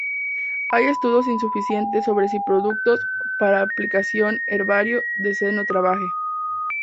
Hay estudio insuficiente sobre si productos para ampliación herbario de seno trabaje.